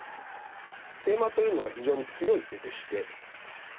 ケイマというのは非常に強い手でして。